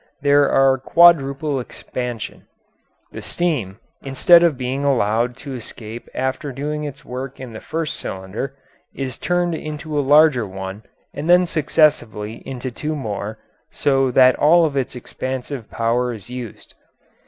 These are quadruple expansion. The steam, instead of being allowed to escape after doing its work in the first cylinder, is turned into a larger one and then successively into two more, so that all of its expansive power is used.